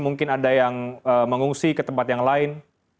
mungkin ada yang mengungsi ke tempat yang lain